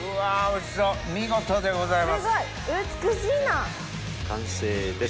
お見事でございます！